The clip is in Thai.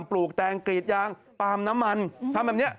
ลูกแตงกรีดยางปาล์มน้ำมันทำแบบนี้